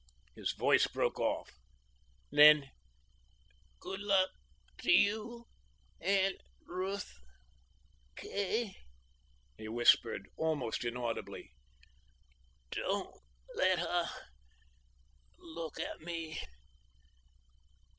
His voice broke off. Then, "Good luck to you and Ruth, Kay," he whispered, absent inaudibly. "Don't let her look at me."